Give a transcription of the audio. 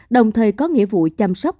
đồng thời có nghĩa vụ chăm sóc